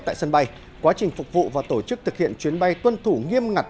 tại sân bay quá trình phục vụ và tổ chức thực hiện chuyến bay tuân thủ nghiêm ngặt